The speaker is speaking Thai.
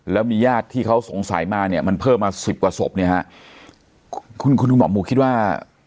แล้วมีญาติที่เขาสงสัยมาเนี่ยมันเพิ่มมาสิบกว่าศพเนี่ยฮะคุณคุณดูหมอหมูคิดว่า